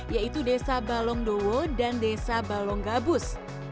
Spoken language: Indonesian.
yaitu desa balongdowo dan desa balonggabus